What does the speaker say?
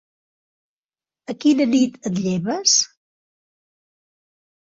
A quina nit et lleves?